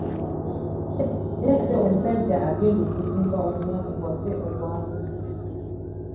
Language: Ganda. Ndeese omusajja agenda okuzimba omulyango gwaffe ogwagudde.